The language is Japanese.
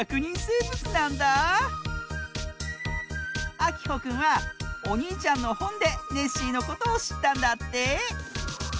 あきほくんはおにいちゃんのほんでネッシーのことをしったんだって。